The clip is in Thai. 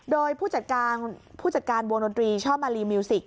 โดยผู้จัดการวงดนตรีช่อบมาลีมิวสิก